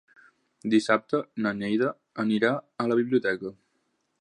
Dissabte na Neida anirà a la biblioteca.